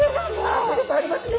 迫力ありますね。